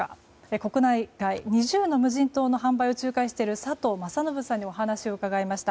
国内外２０の無人島の販売を仲介している佐藤政信さんにお話を伺いました。